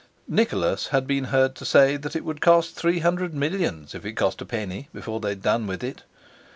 Nicholas had been heard to say that it would cost three hundred millions if it cost a penny before they'd done with it!